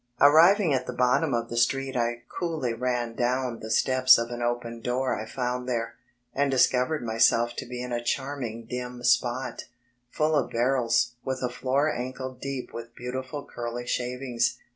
Arriving at the bottom of the street I coolly ran down the steps of an open door I found there, and discovered myself K> be in a charming dim spot, full of barrels, with a floor ankle deep with beautiful curly shavings.